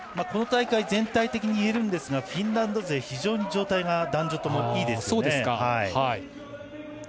この大会全体的にいえますがフィンランド勢、非常に状態が男女ともいいですね。